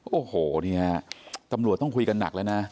โอ้โหเนี่ยตำรวจต้องคุยกันหนักแล้วนะ